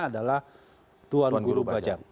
adalah tuan guru bajang